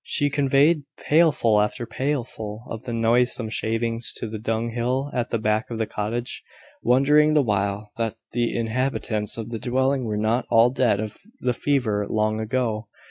She conveyed pailful after pailful of the noisome shavings to the dunghill at the back of the cottage, wondering the while that the inhabitants of the dwelling were not all dead of the fever long ago.